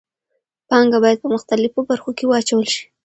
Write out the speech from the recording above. پانګه باید په مختلفو برخو کې واچول شي.